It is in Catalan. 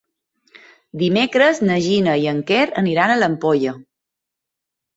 Dimecres na Gina i en Quer aniran a l'Ampolla.